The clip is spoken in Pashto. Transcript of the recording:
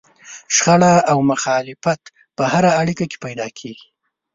شخړه او مخالفت په هره اړيکه کې پيدا کېږي.